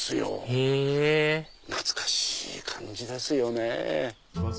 へぇ懐かしい感じですよね。